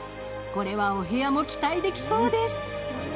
これはお部屋も期待できそうです。